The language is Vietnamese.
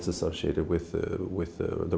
và sự tâm hồn